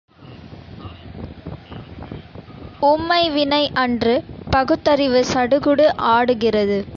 உம்மைவினை அன்று, பகுத்தறிவு சடுகுடு ஆடுகிறது!